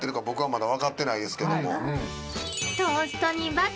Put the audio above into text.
僕はまだ分かってないですけど。